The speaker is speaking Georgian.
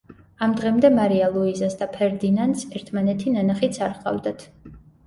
ამ დღემდე მარია ლუიზას და ფერდინანდს ერთმანეთი ნანახიც არ ჰყავდათ.